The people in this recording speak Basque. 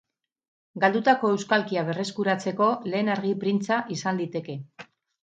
Galdutako euskalkia berreskuratzeko lehen argi-printza izan liteke.